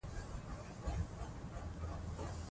که موږ ورته وفادار پاتې شو.